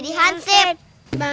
udah mau mengakal lagi mereka jadi hansi